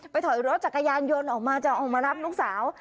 ถอยรถจักรยานยนต์ออกมาจะออกมารับลูกสาว